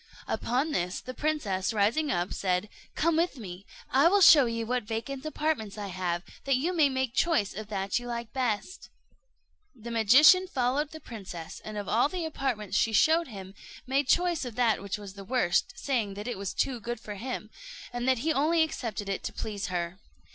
Upon this the princess, rising up, said, "Come with me, I will show you what vacant apartments I have, that you may make choice of that you like best." The magician followed the princess, and of all the apartments she showed him, made choice of that which was the worst, saying that it was too good for him, and that he only accepted it to please her.